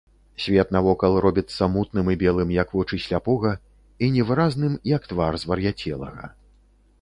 Свет навокал робіцца мутным і белым, як вочы сляпога, і невыразным, як твар звар'яцелага.